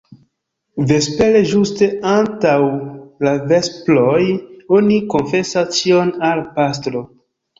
Vespere, ĝuste antaŭ la vesproj, oni konfesas ĉion al pastro.